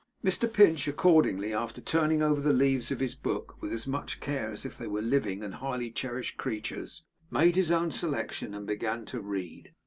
Mr Pinch accordingly, after turning over the leaves of his book with as much care as if they were living and highly cherished creatures, made his own selection, and began to read.